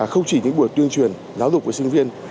không chỉ những buổi tuyên truyền giáo dục của sinh viên